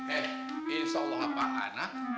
eh insyaallah apaan ah